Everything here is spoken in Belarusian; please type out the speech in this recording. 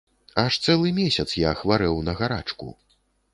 Аж цэлы месяц я хварэў на гарачку.